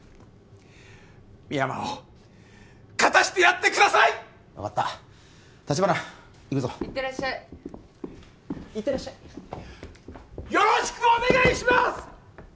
深山を勝たせてやってください分かった立花行くぞ行ってらっしゃい行ってらっしゃいよろしくお願いします！